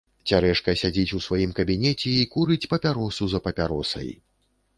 Цярэшка сядзіць у сваім кабінеце і курыць папяросу за папяросай.